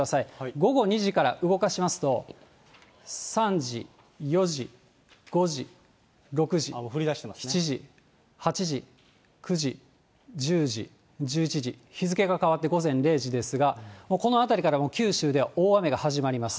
午後２時から動かしますと、３時、４時、５時、６時、７時、８時、９時、１０時、１１時、日付が変わって午前０時ですが、もうこのあたりから九州では大雨が始まります。